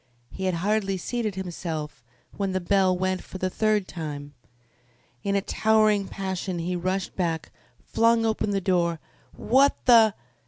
He had hardly seated himself when the bell went for the third time. In a towering passion he rushed back, flung open the door. "What the